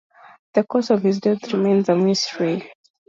The cause of his death remains a mystery.